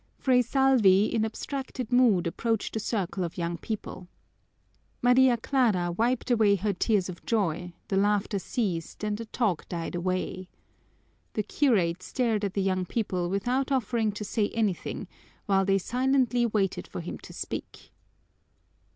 Fray Salvi in abstracted mood approached the circle of young people. Maria Clara wiped away her tears of joy, the laughter ceased, and the talk died away. The curate stared at the young people without offering to say anything, while they silently waited for him to speak.